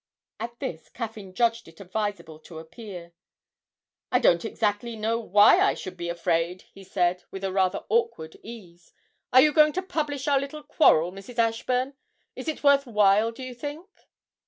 At this Caffyn judged it advisable to appear. 'I don't exactly know why I should be afraid,' he said, with a rather awkward ease. 'Are you going to publish our little quarrel, Mrs. Ashburn? Is it worth while, do you think?'